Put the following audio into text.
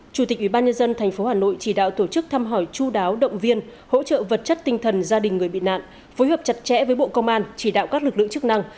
chủ tịch ubnd tp hà nội chỉ đạo tổ chức thăm hỏi chú đáo động viên hỗ trợ vật chất tinh thần gia đình người bị nạn phối hợp chặt chẽ với bộ công an chỉ đạo các lực lượng chức năng